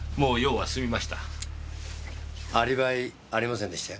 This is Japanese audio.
アリバイありませんでしたよ。